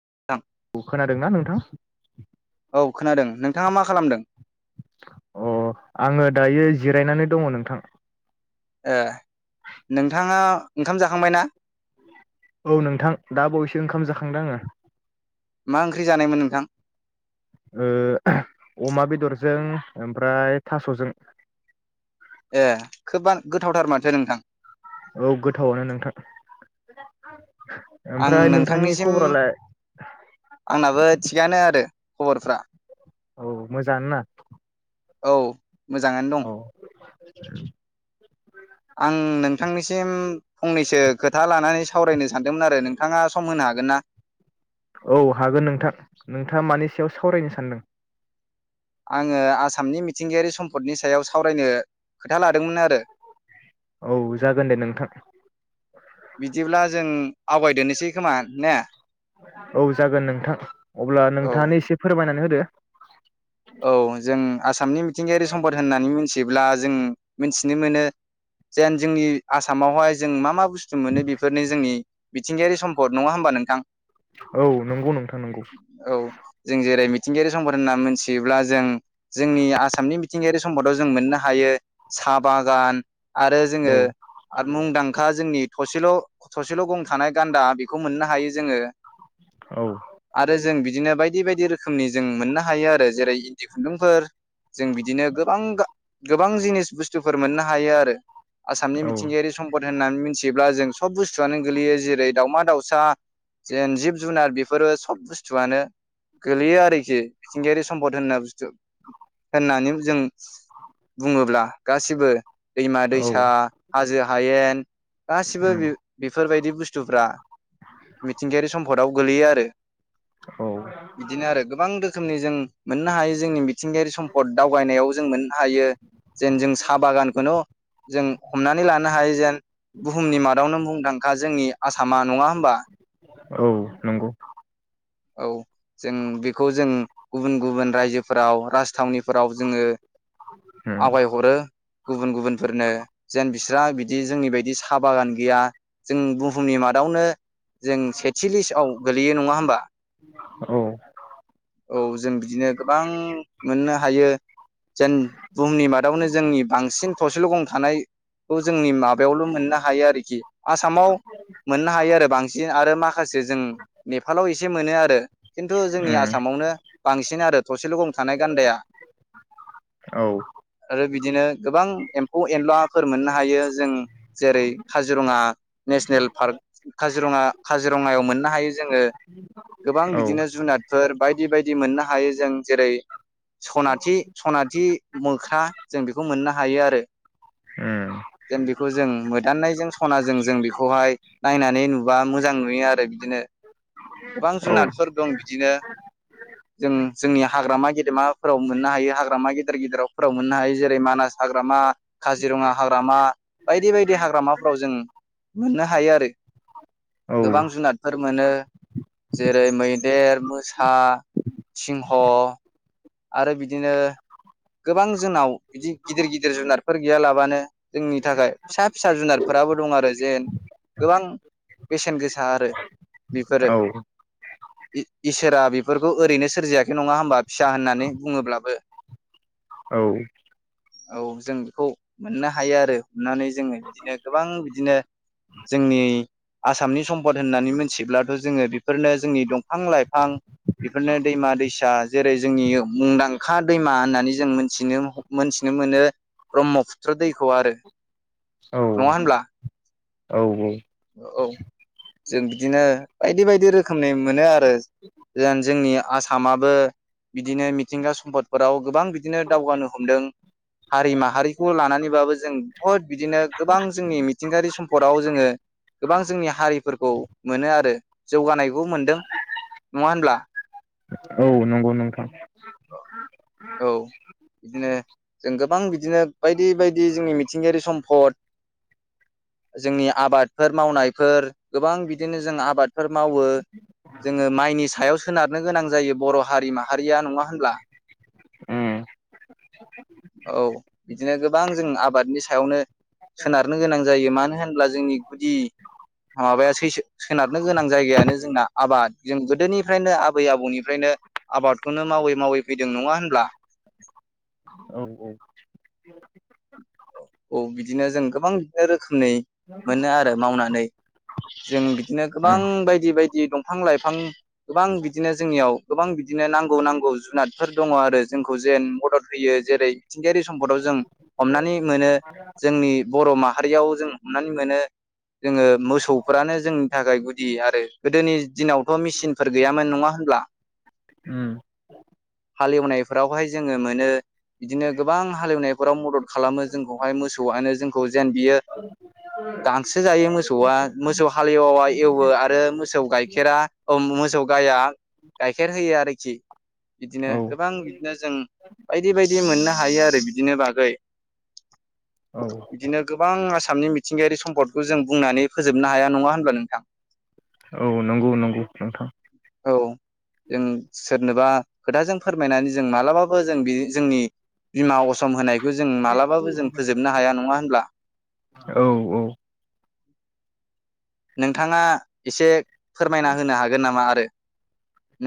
[unintelligible] औ खोनादोंना नोंथां? औ खोनादों। नोंथाङा मा खालामदों? अ आङो दायो जिरायनानै दङ नोंथां। ए नोंथाङा ओंखाम जाखांबाय ना? औ नोंथां दा बावैसो ओंखाम जाखांदों आङो। मा ओंख्रि जानायमोन नोंथां ओ अमा बेदरजों ओमफ्राय थासजों ए खोबानो गोथावथार माथो नोंथां औ गोथावानो नोंथां। आं ओमफ्राय नोंथांनि नोंथांनिसिम खबरालाय आंनाबो थिगानो आरो खबरफ्रा औ मोजाङानो ना? औ मोजाङानो दं। औ [inaudible] आं नोंथांनिसिम फंनैसो खोथा लानानै सावरायनो सानदोंमोन आरो नोंथाङा सम होनो हागोन ना औ हागोन नोंथां नोंथाङा मानि सायाव सावरायनो सानदों आङो आसामनि मिथिंगायारि सम्पदनि सायाव सावरायनो खोथा लादोंमोन आरो औ जागोन दे नोंथां । बिदिब्ला जों आवगायदोननोसै खोमा ने? औ जागोन नोंथां । अब्ला औ नोंथाङानो एसे फोरमायनानै होद दे । औ जों आसामनि मिथिंगायारि सम्पद होननानै मिथिब्ला जों मिथिनो मोनो जेन जोंनि आसामावहाय जों मा मा बुस्थु मोनो बेफोरनि जोंनि मिथिंगायारि सम्पद नङा होमबा नोंथां? औ नंगौ नोंथां नंगौ । थंगारि सम्पर होनना मोनसि देब्ला जों जोंनि आसामनि मिथिंगायारि स सम्पदाव जों मोननो हायो सा बागान आरो औ जोङो आर मुंदांखा जोंनि थसेल' थसेल' गं थानाय गान्दा बिख खौ मोननो हायो जोंयो औ आरो जों बि दिनो बायदि बायदि रोखोमनि जों मोननो हायो आरो जेरै जि खुन्दुंफोर जों बिदिनो गोबां गा गोबां जिनिस बुस्थुफोर मोननो हायो आरो आसामनि औ मिथिंगायारि सम्पदथि होननानै मिथियोब्ला जों सब बुस्थुआनो गोलैयो जेरै दाावमा दाउसा जेन जिब जुनार बेफोरो सब बुस्थुआनो गोलैयो आरोखि मिथिंगायारि सम्पद होननो बुस्थु होननानै जों बुङोब्ला गासिबो दैमा औ दैसा हाजो हायेन गासिबो उम बि-बेफोरबायदि बुस्थुफ्रा मिथिंगायारि सम्फदाव गोगलैयो आरो औ बिदिनो आरो गोबां रोखोमनि जों मोननो हायो जोंनि बि मिथिंगायारि सम्फद दावगनायाव जों मोननो हायो जेन जों साहा बागानखौनो जों हमनानै लानो हायो जेन बुहुमनि मादावनो मुंदांखा जोंनि आसामा नङा होमबा? औ नंग' । औ जों बेखौ जों गुबुन गुबुन रायजोफोराव राजथावनिफोराव जोङो उम आवायहरो गुबुन गुबुनफोरनो जेन बिस्रा बिदि जोंनि बायदि साहा बागान गैया जों बुहुमनि मादावनो जों सेथिलिसआव गोलैयो नङा होमबा? औ औ जों बिदिनो गोबां मोननो हायो जेन बुहुमनि मादावनो जोंनि बांसिन थसेल' गं थानाय जोंनि माबायावल' मोननो हायो आरोखि आसामाव मोननो हायो आरो बांसिन आरो माखासे जों नेपालाव एस एसे मोनो आरो खिन्थु जोंनि उम आसामावनो बांसिन आरो थसेल' गं थानाय गान्दाया औ आरो बिदिनो गोबां एम्फौ-एनलाफोर मोननो हायो जों जेरै काजिरङा नेसनेल पार्क काजिरङा-काजिरङायाव मोननो हायो। जोङो गोबां औ बिदिनो जुनादफोर बायदि बायदि मोननो हायो जों जेरै दैै सनाथि सनाथि मोख्रा जों बेखौ मोननो हायो आरो उम जेन बेखौ जों मोदाननायजों सनाजों जों बेखौहाय नायनानै नुबा मोजां नुयो आरो बिदिनो गोबां औ जुनारफोर दं बिदिनो जों जोंनि हाग्रा हाग्रामा गेदेमाफोराव मोननो हायो, हाग्रामा गेदेर गेदेरावफोराव मोननो हायो, जेरै-मानास हाग्रामा, काजिरङा हाग्रामा बायदि बायदि हाग्रामाफोराव जों मोननो हायो आरो औ गोबां जुनादफोर मोनो। जे जेरै- मैदेर, मोसा, सिंह आरो बिदिनो गोबां जोंनाव बिदि गिदिर गिदिर जुनार फोर गैया लाबानो जोंनि थाखाय फिसा फिसा जुनारफोराबो दं आरो जेन गोबां बेसेन गोसा आरो बेफोरो इ-इसोरा बेफोरखौ ओरैनो सोरजियाखै नङा होमबा? बिदा होननानै बुङोब्लाबो औ औ जों बेखौ मोननो हायो आरो अनानै जोङो बिदिनो गोबां बिदिनो जोंनि आसामनि सम्पद होननानै मिथिब्लाथ' जोङो बेफोरनो जोंनि दंफां-लाइफां बेफोरनो दैमा-दैसा। जेरै जोंनि मुंदांखा दैमा होननानै जों मोनथिनो-मोनथिनो मोनो ब्रह्मपुत्र दैखौ आरो औ नङा होनब्ला? औ औ जों बिदिनो बायदि बायदि रोखोमनि मोनो आरो जेन जोंनि आसामाबो बिदिनो मिथिंगा सम्पदफोराव गोबां बिदिनो दावगानो हमदों हारि माहारिखौ लानानैबाबो जों बुहुद बिदिनो गोबां जोंनि मिथिंगायारि सम्पदाव जोङो गोबां जोंनि हारिफोरखौ मोनो आरो जौगानायखौ मोनदों नङा होनब्ला? औ नंगौ नोंथां औ बिदिनो जों गोबां बिदिनो बायदि बायदि जोंनि मिथिंगायारि सम्फद, जोंनि आबाद फोर मावनायफोर गोबां बिदिनो जों आबादफोर मावो जोङो माइनि सायाव सोनारनो गोनां जायो बर' हारि माहारिया नङा होनब्ला? उम औ बिदिनो गोबां जों आबादनि सायावनो सोनारनो गोनां जायो। मानो होनब्ला जोंनि गुदि माबाया सै- सो-सोनारनो गोनां जायगायानो जोंना आबाद। जों गोदोनिफ्रायनो आबै आबौनिफ्रायनो आबादखौनो मावै-मावै फैदों नङा होनब्ला? औ औ बिदिनो जों गोबां बिदिनो रोखोमै मोनो आरो मावनानै जों बिदिनो उम गोबां बायदि बायदि दंफां-लाइफां गोबां बिदिनो जोंनियाव गोबां बिदिनो नांगौ नांगौ जुनादफोर दङ आरो जोंखौ जेन मदद होयो जेरै मिथिंगायारि सम्फदाव जों हमनानै मोनो जोंनि बर' माहारियाव जों हमनानै मोनो जोङो मोसौफोरानो जोंनि थाखाय गुदि आरो गोदोनि दिनावथ' मिसिनफोर गैयामोन नङा होनब्ला? उम हालेवनायफोरावहाय जोङो मोनो बिदिनो गोबां हालेवनायफोराव मदद खालामो जोंखौहाय मोसौआनो जोंखौ जेन बियो गांसो जायो मोसौआ मोसौ हालेवाया एवो आरो मोसौ गाइखेरा औ‌ मोसौ गाया गाइखेर होयो आरोखि बिदिनो औ गोबां बिदिनो जों बायदि बायदि मोननो हायो आरो बिदिनो बागै‌। औ बिदिनो गोबां आसामनि मिथिंगायारि सम्पदखौ जों बुंनानै फोजोबनो हाया नङा होनब्ला नोंथां? औ नंगौ नंगौ नोंथां औ जों सोरनोबा खोथाजों फोरमायनानै जों मालाबाबो जों बि जोंनि बिमा असम होनायखौ जों मालाबाबो जों फोजोबनो हाया नङा होनब्ला? औ औ नोंथाङा एसे फोरमायना होनो हागोन नामा आरो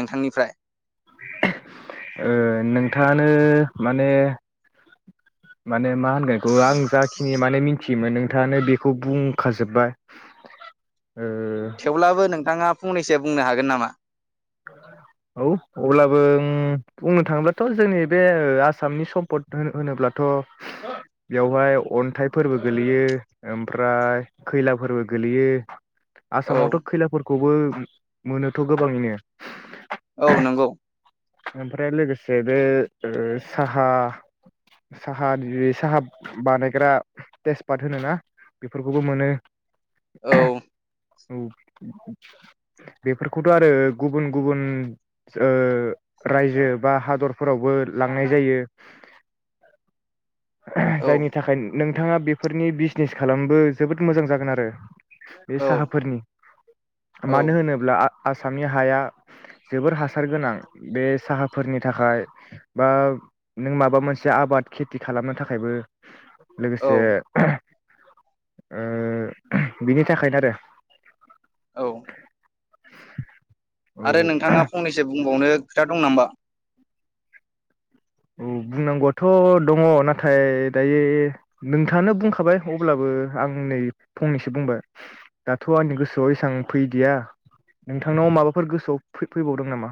नोंथांनिफ्राय? ओ नोंथाङानो माने माने। मा होनगोन एखौ आं जाखिनि माने मिनथि बिमोन नोंथाङानो बिखौ बुंखाजोब्बाय ओ अब्लाबो नोंथाङा फंनैसो बुंनो हागोन नामा? औ अब्लाबो ओं बुंनो थाङोब्लाथ' जोंनि बे ओ आसामनि सम्पद हो होनोब्लाथ' बेवहाय, अन्थाइ फोरबो गोलैयो ओमफ्राय खैला फोरबो गोलैयो। औ आसामावथ' खैलाफोरखौ। खौबो मोनोथ' गोबाङैनो। औ नंगौ। ओमफ्राय लोगोसे बे ओ साहा साहानि साहा बानायग्रा तेजपात होनोना? बेफोरखौबो मोनो। औ [unintelligible] औ। बेफोरखौथ' आरो गुबुन गुबुन ओ रायजो बा हादरफोरावबो लांनाय जायो। [unintelligible] औ जायनि थाखाय नों नोंथाङा बेफोरनि बिजिनेस खालामबो जोबोद मोजां जागोन आरो। बे औ साहाफोरनि। औ मानो होनोब्ला आसामनि हाया जोबोर हासार गोनां बे साहाफोरनि थाखाय बा नों माबा मोनसे आबाद खेथि खालामनो थाखायबो औ लोगोसे [inaudible] ओ बिनि थाखायनो आरो। औ। औ आरो औ नोंथाङा फंनैसो बुंबावनो खोथा दं नामा? औ बुंनांगौआथ' दङ नाथाय दायो नोंथाङानो बुंखाबाय अब्लाबो आं नै फंनैसो बुंबाय दाथ' आंनि गोसोआव एसेबां फैदिया नोंथांनाव माबाफोर गोसोआव फै फैबावदों नामा?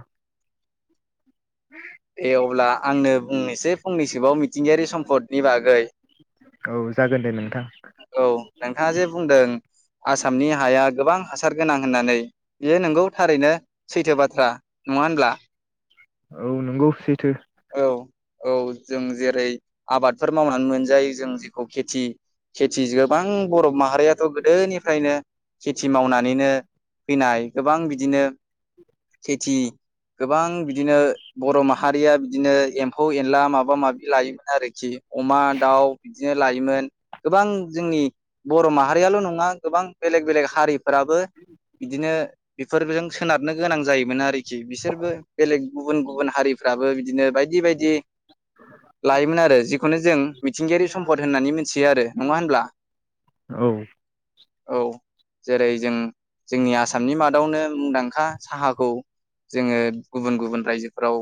ओं एसे फंनैसोबाव मिथिंगायारि सम्पदनि बागै औ जागोन दे नोंथां औ नोंथाङा जे बुंदों। आसामनि हाया गोबां हासार गोनां होननानै बियो नोंगौ थारैनो सैथो बाथ्रा नङा होनब्ला? औ नंगौ सैथो। औ औ जों जेरै आबादफोर मावनानै मोनजायो जों जेखौ खेथि खेथि गोबां बर मा हारियाथ' गोदोनिफ्रायनो। खेथि मावनानैनो। फैनाय गोबां बिदिनो खेथि गोबां बिदिनो बर' माहारिया बिदिनो एम्फौ एनला माबा माबि लायोमोन आरो खि अमा, दाउ बिदिनो लायोमोन गोबां जोंनि बर' माहारियाल' नङा। गोबां। बेलेग बेलेग हारिफोराबो बिदिनो बिफोरजों सोनारनो गोनां जायोमोन आरो खि बिसोरबो बेलेग गुबुन-गुबुन हारिफ्राबो बिदिनो बायदि बायदि लायोमोन आरो जिखौनो जों मिथिंगायारि सम्पद होननानै मिथियो आरो नङा होनब्ला? औ औ जेरै जों जोंनि आसामनि मादावनो मुंदांखा साहाखौ जोङो गुबुन गुबुन रायजो राव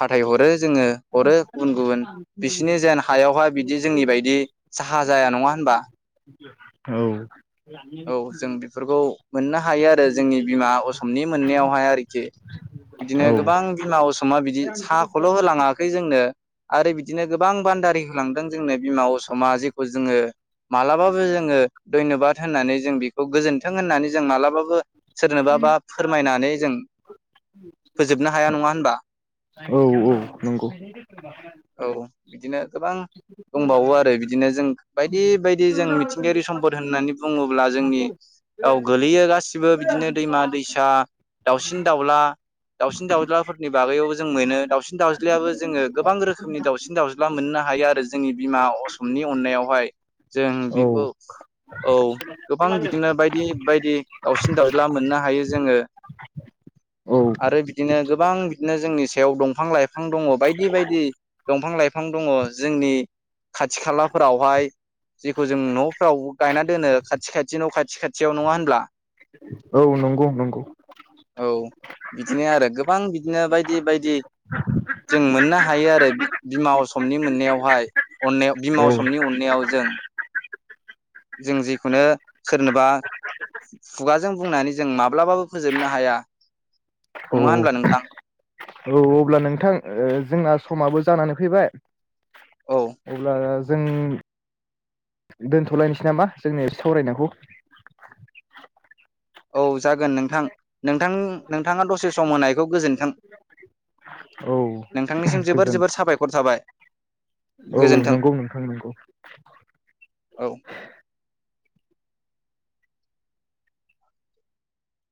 फाथायहरो जोङो हरो गुबुन गुबुन बिसोरनि जेन हायावहााय बिदि जोंनि बायदि साहा जाया नङा होनबा औ औ जों बेफोरखौ मोननो हायो आरो जोंनि बिमा असमनि मोननायावहाय आरोखि बिदिनो औ गोबां बिमा अस समा बिदि साहाखौल' होलाङाखै जोंनो आरो बिदिनो गोबां बान्दारि लांदों जोंनो बिमा असमा जेखौ जोङो मालाबाबो जोङो धयनबाद होननानै जों बेखौ गोजोन्थों होननानै जों मालाबाबो सोरनोबा बा फोरमायनानै जों फोजोबनो हाया नङा होनबा औ औ नंगौ औ बिदिनो गोबां दंबावो आरो बिदिनो जों बायदि बायदि जों मिथिंगायारि सम्पद होननानै बुङोब्ला जोंनि औ गोलैयो गासिबो बिदिनो दैमा दैसा दाउसिन दाउला दाउसिन दाउज्लाफोरनि बागैआवबो जों मोनो दाउसिन दाउज्लायाबो जोङो गोबां रोखोमनि दाउसिन दाउज्ला मोननो हायो आरो जोंनि बिमा असमनि अननायावहाय जों बेखौ औ औ गोबां बिदिनो बायदि बायदि दाावसिन दावउज्ला मोननो हायो जोङो औ आरो बिदिनो गोबां बिदिनो जोंनि सायाव दंफां लाइफां बिफां दङ बायदि बायदि दंफां लाइफां दङ जोंनि खाथि खालाफोरावहाय जेखौ जों न'फ्राव गायना दोनो खाथि खाथि न' खाथि खाथियाव नङा होनब्ला औ नंगौ नंगौ। औ बिदिनो आरो गोबां बिदिनो बायदि बायदि जों मोननो हायो आरो बिमा असमनि मोननायावहाय अननायाव बिमा औ असमनि अननायाव जों जों जिखुनो सोरनोबा खुगाजों बुंनानै जों माब्लाबाबो फोजोबनो हाया। औ नङा होनब्ला नोंथां औ अब्ला नोंथां जोंना समाबो जानानै सफैबाय औ अब्ला जों दोनथ'लायनोसै नामा जोंनि एसे सावरायनायखौ? औ जागोन नोंथां। नोंथां नोंथाङा दसे सम होनायखौ गोजोन [unintelligible] औ गोजोन जोबोर साबायखर थाबाय औ गोजोन्थों नंगौ नोंथां नंगौ। औ।